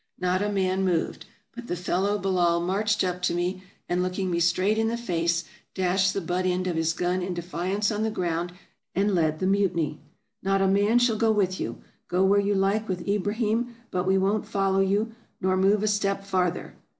Not a man moved, but the fellow Bellaal marched up to me, and looking me straight in the face dashed the butt end of his gun in defiance on the ground, and led the mutiny. " Not a man shall go with you! — go where you like with Ibrahim, but we won't follow you nof move a step farther.